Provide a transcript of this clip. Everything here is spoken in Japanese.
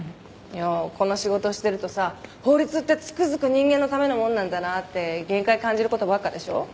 いやこの仕事してるとさ法律ってつくづく人間のためのものなんだなって限界感じる事ばっかでしょ。